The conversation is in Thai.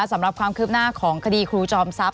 สำหรับความคืบหน้าของคดีครูจอมทรัพย